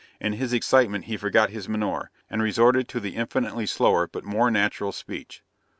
In his excitement he forgot his menore, and resorted to the infinitely slower but more natural speech.